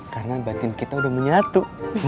karena batin kita udah menyatu